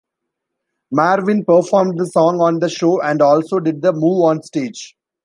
Marvin performed the song on the show and also did the move onstage.